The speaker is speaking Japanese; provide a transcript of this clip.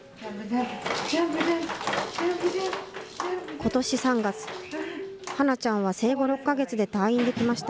ことし３月、華名ちゃんは生後６か月で退院できました。